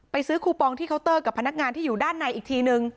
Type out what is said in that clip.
ซื้อคูปองที่เคาน์เตอร์กับพนักงานที่อยู่ด้านในอีกทีนึง